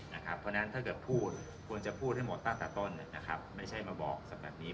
เพราะฉะนั้นถ้าเกิดพูดควรจะพูดให้หมดตั้งแต่ต้นไม่ใช่มาบอกสำหรับแบบนี้